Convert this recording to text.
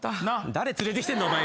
誰連れてきてんだお前よ。